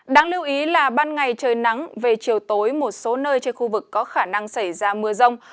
đáng lưu ý là ban ngày trời nắng về chiều tối một số nơi trên khu vực có khả năng xảy ra mưa rông